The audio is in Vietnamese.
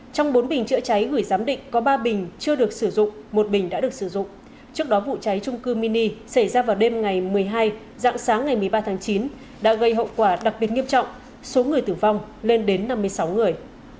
trong bốn bình chữa cháy gửi giám định có ba bình chưa được sử dụng một bình đã được sử dụng trước đó vụ cháy trung cư mini xảy ra vào đêm ngày một mươi hai dạng sáng ngày một mươi ba tháng chín đã gây hậu quả đặc biệt nghiêm trọng số người tử vong lên đến năm mươi sáu người